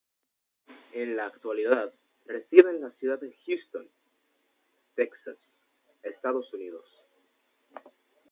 En la actualidad reside en la ciudad de Houston, Texas, Estados Unidos.